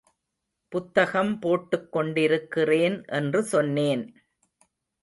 புத்தகம் போட்டுக் கொண்டிருக்கிறேன் என்று சொன்னேன்.